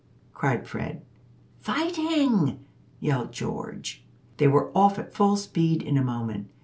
cried Fred. "Fighting!" yelled George. They were off at full speed in a moment.